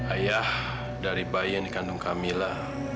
ayah dari bayi yang dikandung camilla